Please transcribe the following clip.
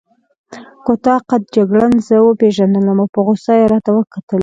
کوتاه قد جګړن زه وپېژندم او په غوسه يې راته وکتل.